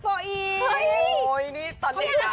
เฮ้ยนี่ตัดเด็กจ้า